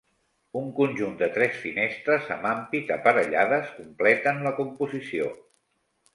Un conjunt de tres finestres amb ampit aparellades completen la composició.